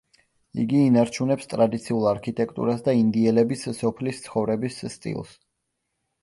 იგი ინარჩუნებს ტრადიციულ არქიტექტურას და ინდიელების სოფლის ცხოვრების სტილს.